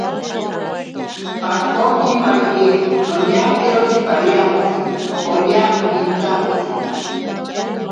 Pakokipaye noñakiro tsipariantsi poña nintantsi.